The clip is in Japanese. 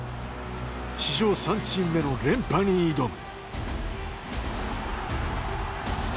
史上３チーム目の連覇に挑む。